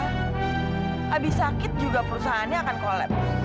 habis sakit juga perusahaannya akan collab